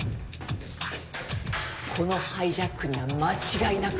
このハイジャックには間違いなく裏がある。